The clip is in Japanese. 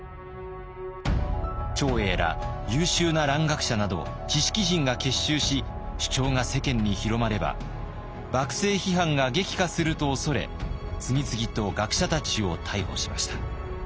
長英ら優秀な蘭学者など知識人が結集し主張が世間に広まれば幕政批判が激化すると恐れ次々と学者たちを逮捕しました。